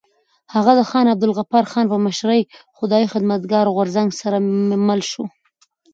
هغه د خان عبدالغفار خان په مشرۍ خدایي خدمتګار غورځنګ سره مل شو.